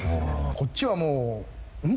こっちはもう、ん？